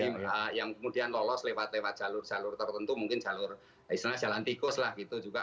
jadi yang kemudian lolos lewat lewat jalur jalur tertentu mungkin jalur istilahnya jalan tikus lah gitu juga